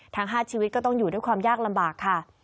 ทั้ง๕ชีวิตก็ต้องอยู่ด้วยความยากลำบากค่ะ